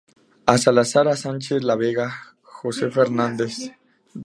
A. Salazar, A. Sánchez-Lavega, J. Fernández.